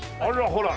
ほら。